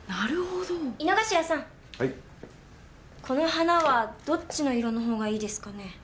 この花はどっちの色のほうがいいですかね？